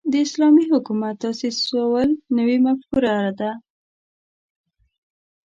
د اسلامي حکومت تاسیسول نوې مفکوره ده.